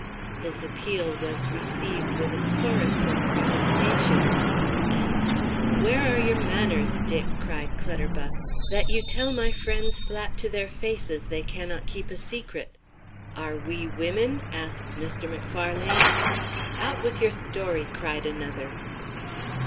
His appeal was received with a chorus of protestations, and "Where are your manners, Dick," cried Clutterbuck, "that you tell my friends flat to their faces they cannot keep a secret?" "Are we women?" asked Mr. Macfarlane. "Out with your story," cried another.